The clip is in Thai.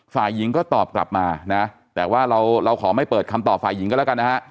ฝ่ายหญิงก็ตอบกลับมานะแต่ว่าเราเราขอไม่เปิดคำตอบฝ่ายหญิงก็แล้วกันนะฮะ